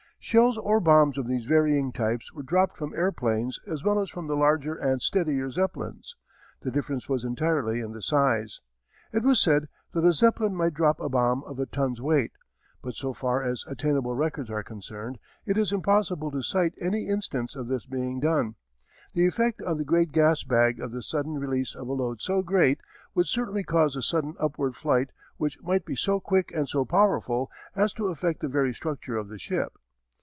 Shells or bombs of these varying types were dropped from airplanes as well as from the larger and steadier Zeppelins. The difference was entirely in the size. It was said that a Zeppelin might drop a bomb of a ton's weight. But so far as attainable records are concerned it is impossible to cite any instance of this being done. The effect on the great gas bag of the sudden release of a load so great would certainly cause a sudden upward flight which might be so quick and so powerful as to affect the very structure of the ship.